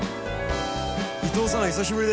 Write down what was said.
伊藤さん久しぶりです。